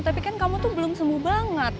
tapi kan kamu tuh belum sembuh banget